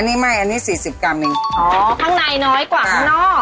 นี่ไม่อันนี้สี่สิบกรัมหนึ่งอ๋อข้างในน้อยกว่าข้างนอก